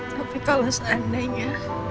tapi kalau seandainya